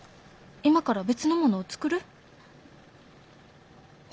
今から別のものを作る？